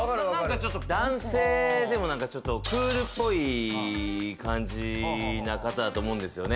男性でも、なんかちょっとクールっぽい感じ、そんな方だと思うんですよね。